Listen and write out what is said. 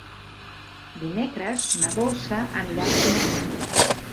Dimecres na Dolça anirà al cinema.